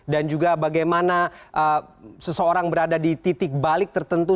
dan juga bagaimana seseorang berada di titik balik tertentu